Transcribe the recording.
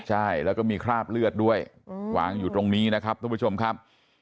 ใช่แล้วก็มีคราบเลือดด้วยวางอยู่ตรงนี้นะครับทุกผู้ชมครับ